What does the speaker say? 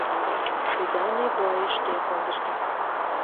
Будённый бойыш шке кондышто.